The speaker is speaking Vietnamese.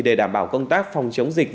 để đảm bảo công tác phòng chống dịch